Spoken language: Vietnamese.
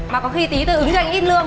mà có khi tí tôi ứng cho anh ít lương